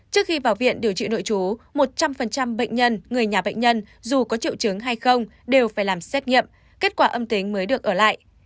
trước khi vào viện điều trị nội chú một trăm linh bệnh nhân người nhà bệnh nhân dù có triệu chứng hay không đều phải làm xét nghiệm kết quả âm tính mới được ở lại